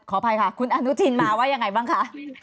อภัยค่ะคุณอนุทินมาว่ายังไงบ้างคะ